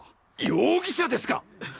容疑者ですか！？